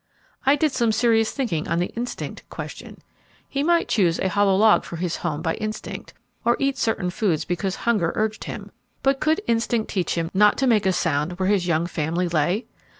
I did some serious thinking on the 'instinct' question. He might choose a hollow log for his home by instinct, or eat certain foods because hunger urged him, but could instinct teach him not to make a sound where his young family lay?